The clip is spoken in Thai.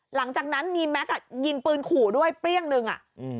หลังจากนั้นมีแมคก็ยินปืนขู่ด้วยเปรี้ยงนึงอะ